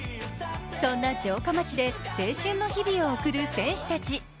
そんな城下町で青春の日々を送る選手たち。